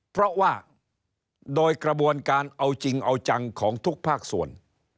เพราะว่าโดยกระบวนการเอาจริงเอาจังของทุกภาคส่วน